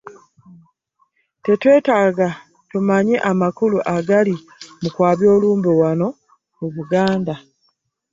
Twetaaga tumanye amakulu agali mu kwabya olumbe wano mu Buganda.